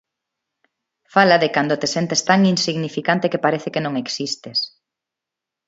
Fala de cando te sentes tan insignificante que parece que non existes.